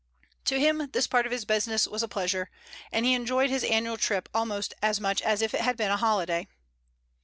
To him this part of his business was a pleasure, and he enjoyed his annual trip almost as much as if it had been a holiday.